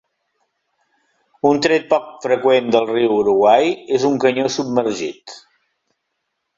Un tret poc freqüent del riu Uruguai és un canyó submergit.